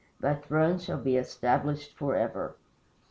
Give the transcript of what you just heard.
Thy throne shall be established forever."